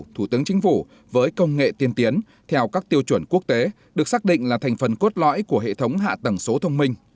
thủ tướng chính phủ với công nghệ tiên tiến theo các tiêu chuẩn quốc tế được xác định là thành phần cốt lõi của hệ thống hạ tầng số thông minh